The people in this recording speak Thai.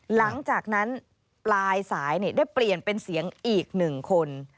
หลังจากนั้นปลายสายได้เปลี่ยนเป็นเสียงอีก๑คน